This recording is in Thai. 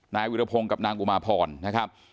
นายวิรพงศ์กับนางอุมาพรนะครับ